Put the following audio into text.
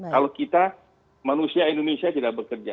kalau kita manusia indonesia tidak bekerja